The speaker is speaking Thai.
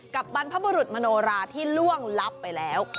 บรรพบุรุษมโนราที่ล่วงลับไปแล้ว